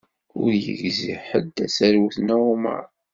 Ur yegzi ḥedd aserwet n ɛumaṛ.